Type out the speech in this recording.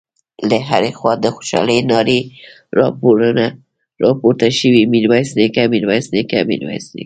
له هرې خوا د خوشالۍ نارې راپورته شوې: ميرويس نيکه، ميرويس نيکه، ميرويس نيکه….